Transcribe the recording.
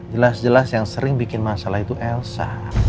jelas jelas yang sering bikin masalah itu elsa